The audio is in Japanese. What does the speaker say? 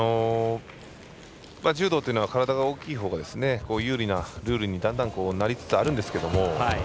柔道というのは体が大きいほうが有利なルールにだんだんなりつつあるんですけど。